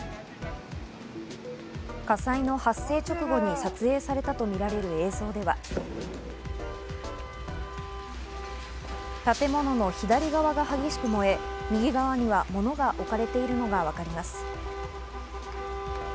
火災の発生直後に撮影されたとみられる映像では、建物の左側が激しく燃え、右側には物が置かれているのがわかります。